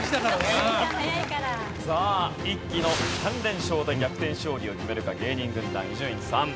さあ一気の３連勝で逆転勝利を決めるか芸人軍団伊集院さん。